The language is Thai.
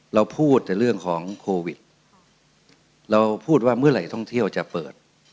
เราพูดแต่เรื่องของโควิดเราพูดว่าเมื่อไหร่ท่องเที่ยวจะเปิด